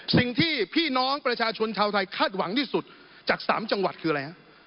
สิ่งที่พี่น้องประชาชนชาวไทยคาดหวังที่สุดจาก๓จังหวัดคืออะไรฮะ